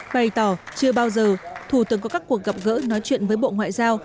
bày tỏ chưa bao giờ thủ tướng có các cuộc gặp gỡ nói chuyện với bộ ngoại giao